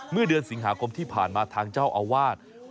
เมื่อเดือนสิงหาคมที่ผ่านมาทางเจ้าอาวาส